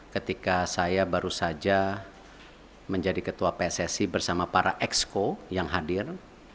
ketika saya baru saja menjadi ketua pssi bersama para exco yang hadir